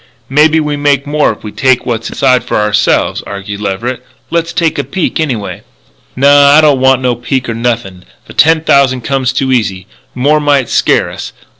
"Maybe we make more if we take what's inside it for ourselves," argued Leverett. "Let's take a peek, anyway." "Naw. I don't want no peek nor nothin'. The ten thousand comes too easy. More might scare us.